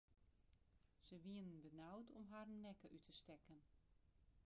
Se wienen benaud om harren nekke út te stekken.